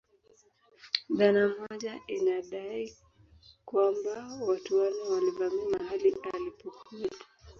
Dhana moja inadai kwamba watu wanne walivamia mahali alipokuwepo